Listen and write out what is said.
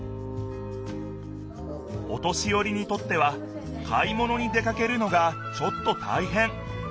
お年よりにとっては買い物に出かけるのがちょっとたいへん。